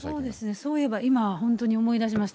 そういえば今、本当に思い出しました。